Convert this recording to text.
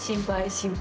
心配。